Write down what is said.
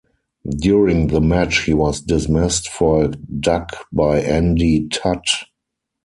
During the match he was dismissed for a duck by Andy Tutt.